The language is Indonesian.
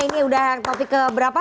ini udah topik keberapa